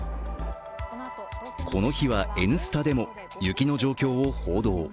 この日は「Ｎスタ」でも雪の状況を報道。